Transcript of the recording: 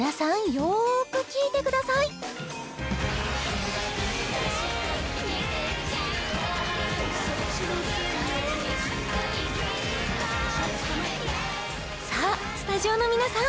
よーく聴いてくださいさあスタジオの皆さん